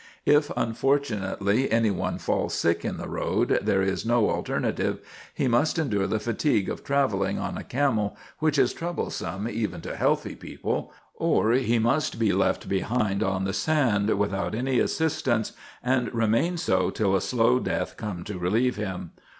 If, unfortunately, any one falls sick on the road, there is no alternative; he must endure the fatigue of travelling on a camel, which is troublesome even to healthy people, or he must be left behind on the sand, without any assistance, and remain so till a slow death come to relieve him.